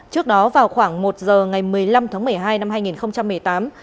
trước đó vào khoảng một giờ ngày một mươi năm tháng một mươi hai năm hai nghìn một mươi tám